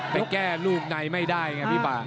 ไปแก้ลูกในไม่ได้ไงพี่ป่า